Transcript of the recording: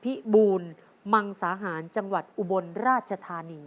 บูรมังสาหารจังหวัดอุบลราชธานี